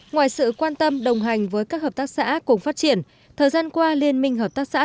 ngoài sự quan tâm đồng hành với các hợp tác xã cùng phát triển thời gian qua liên minh hợp tác xã